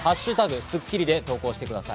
「＃スッキリ」で投稿してください。